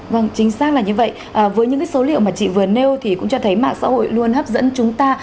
vâng chính xác là như vậy với những số liệu mà chị vừa nêu thì cũng cho thấy mạng xã hội luôn hấp dẫn chúng ta